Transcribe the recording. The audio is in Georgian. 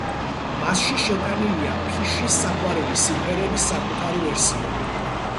მასში შეტანილია ფიშის საყვარელი სიმღერების საკუთარი ვერსიები.